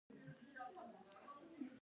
کره کتنه موږ ته د سم او ناسم توپير راښيي.